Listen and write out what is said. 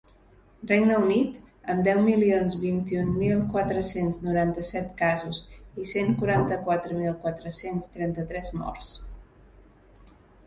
Regne Unit, amb deu milions vint-i-un mil quatre-cents noranta-set casos i cent quaranta-quatre mil quatre-cents trenta-tres morts.